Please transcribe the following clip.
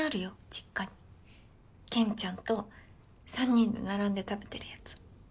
実家にけんちゃんと３人で並んで食べてるやつ。